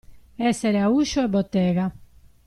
Essere a uscio e bottega.